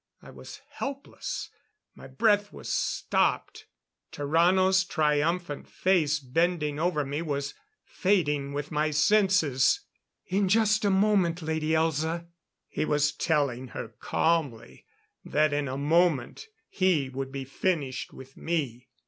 I was helpless; my breath was stopped; Tarrano's triumphant face bending over me was fading with my senses. "In just a moment, Lady Elza...." He was telling her calmly that in a moment he would be finished with me.